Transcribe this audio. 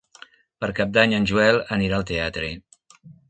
Per Cap d'Any en Joel anirà al teatre.